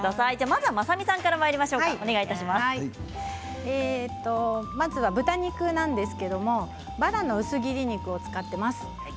まずは、まさみさんからまずは豚肉なんですけれどもバラの薄切り肉を使っています。